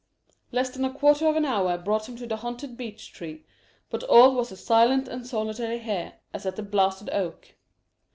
Less than a quarter of an hour brought them to the haunted beech tree; but all was as silent and solitary here as at the blasted oak.